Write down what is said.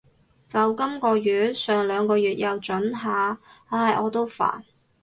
就今个月，上兩個月又准下。唉，我都煩